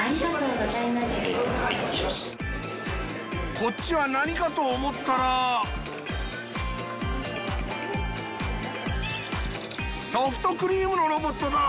こっちは何かと思ったらソフトクリームのロボットだ。